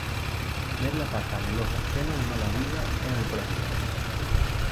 Ver la paja en el ojo ajeno y no la viga en el propio